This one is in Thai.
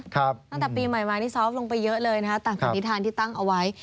ตั้งแต่ปีใหม่มานี่ซอฟต์ลงไปเยอะเลยนะคะตามคณิธานที่ตั้งเอาไว้